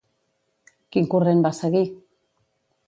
Quin corrent va seguir?